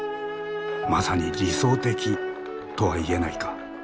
「まさに理想的」とは言えないか？